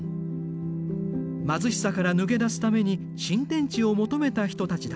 貧しさから抜け出すために新天地を求めた人たちだ。